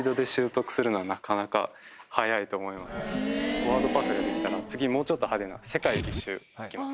「フォワードパス」ができたら次もうちょっと派手な「世界一周」行きます。